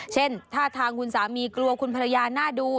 เช่นท่าทางคุณสามีกลัวคุณภรรยาน่าดู